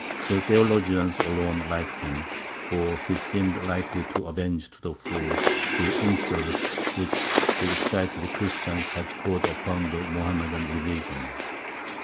The theologians alone liked him, for he seemed likely to avenge to the full the insults which the excited Christians had poured upon the Mohammedan religion.